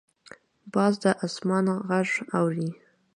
باز د اسمان غږ اوري